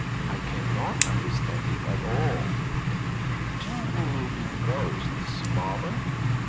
I cannot understand it at all." "Do you believe in ghosts, mamma?"